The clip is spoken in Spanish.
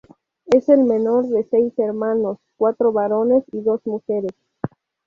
Es el menor de seis hermanos: cuatro varones y dos mujeres.